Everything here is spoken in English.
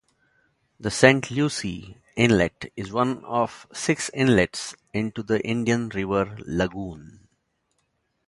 The Saint Lucie Inlet is one of six inlets into the Indian River Lagoon.